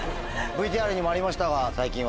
ＶＴＲにもありましたが。